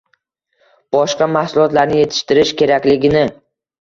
boshqa mahsulotlarni yetishtirish kerakligini